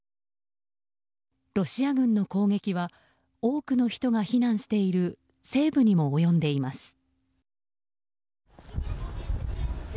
ロシア軍の攻撃は多くの人が避難している西部にも及んでいます。